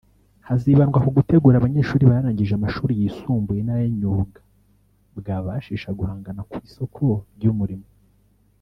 hazibandwa ku gutegura abanyeshuri barangije amashuri yisumbuye n’ayimyuga bwababashisha guhangana ku isoko ry’umurimo